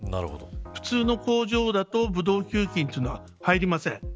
普通の工場だとブドウ球菌というのは入りません。